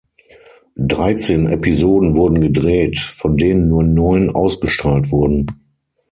Dreizehn Episoden wurden gedreht, von denen nur neun ausgestrahlt wurden.